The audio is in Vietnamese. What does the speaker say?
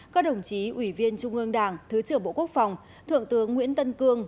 các đồng chí ủy viên trung ương đảng thứ trưởng bộ quốc phòng thượng tướng nguyễn tân cương